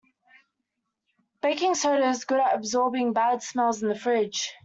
Baking soda is good at absorbing bad smells in the fridge.